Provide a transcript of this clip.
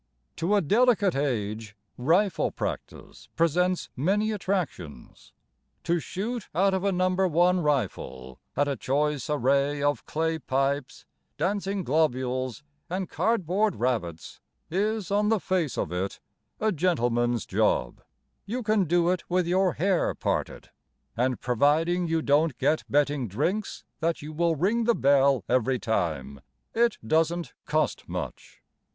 To a delicate age, Rifle practice presents many attractions: To shoot out of a No. 1 rifle At a choice array of clay pipes, dancing globules, and cardboard rabbits Is on the face of it A gentleman's job: You can do it with your hair parted: And providing you don't get betting drinks That you will ring the bell every time, It doesn't cost much.